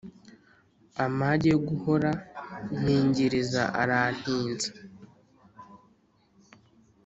amage yo guhora mpingiriza arantinza